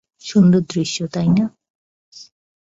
সুন্দর দৃশ্য, তাই না?